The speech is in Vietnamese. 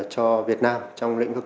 cho việt nam trong lĩnh vực